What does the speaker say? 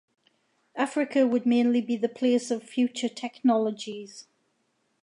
Africa would mainly be the place of future technologies.